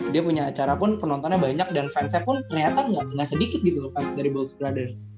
dia punya acara pun penontonnya banyak dan fansnya pun ternyata nggak sedikit gitu loh fans dari bold brother